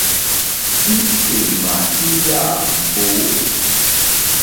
Íkémà ílâ mbǒ.